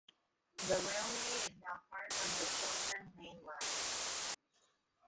The railway is now part of the Chiltern Main Line.